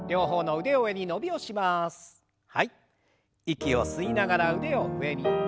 息を吸いながら腕を上に。